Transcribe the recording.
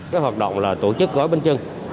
cái hoạt động là tổ chức gói bên chân